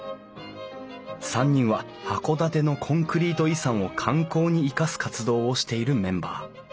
３人は函館のコンクリート遺産を観光に生かす活動をしているメンバー。